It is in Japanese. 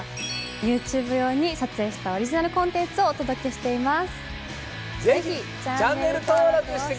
ＹｏｕＴｕｂｅ用に撮影したオリジナルコンテンツをお届けしています。